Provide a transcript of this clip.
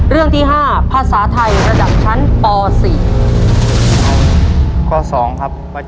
เรื่องที่๕ภาษาไทยระดับชั้นต๔